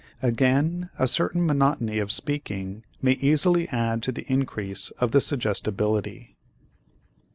Again a certain monotony of speaking may easily add to the increase of the suggestibility.